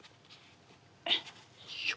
よいしょ。